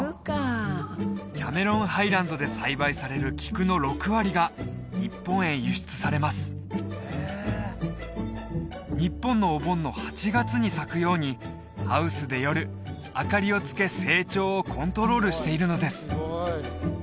キャメロンハイランドで栽培される菊の６割が日本のお盆の８月に咲くようにハウスで夜明かりをつけ成長をコントロールしているのです